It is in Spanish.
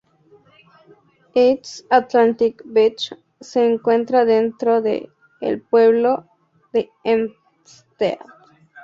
East Atlantic Beach se encuentra dentro del pueblo de Hempstead.